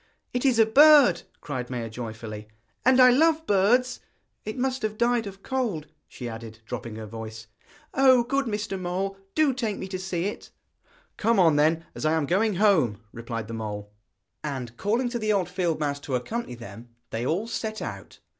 'It is a bird,' cried Maia joyfully, 'and I love birds! It must have died of cold,' she added, dropping her voice. 'Oh! good Mr. Mole, do take me to see it!' 'Come then, as I am going home,' replied the mole. And calling to the old field mouse to accompany them, they all set out.